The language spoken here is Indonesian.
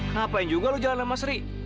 ngapain juga lu jalan sama sri